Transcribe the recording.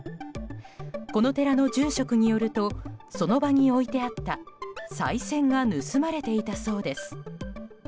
この寺の住職によるとその場に置いてあったさい銭が盗まれていたそうです。